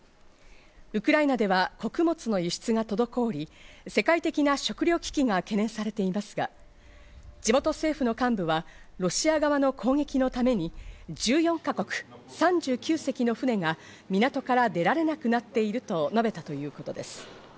ウクライナでは穀物の輸出が滞り、世界的な食糧危機が懸念されていますが、地元政府の幹部はロシア側の攻撃のために１４ヶ国３９隻の船が港から出られなくなっていると述べたということです。